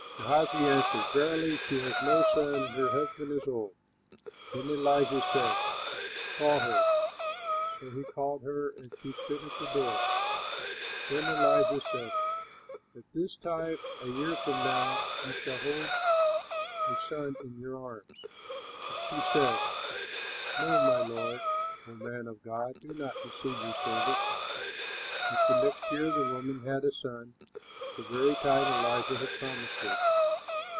Gehazi answered, "Verily, she has no son, and her husband is old." Then Elisha said, "Call her." So he called her, and she stood at the door. Then Elisha said, "At this time a year from now you shall hold a son in your arms!" But she said, "No, my lord, O man of God, do not deceive your servant!" But the next year the woman had a son at the very time Elisha had promised her.